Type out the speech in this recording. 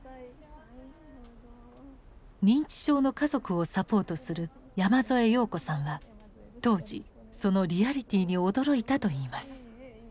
認知症の家族をサポートする山添洋子さんは当時そのリアリティーに驚いたといいます。